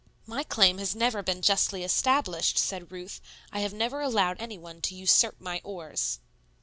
"My claim has never been justly established," said Ruth. "I have never allowed any one to usurp my oars."